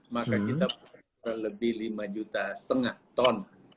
maka kita kurang lebih lima juta setengah ton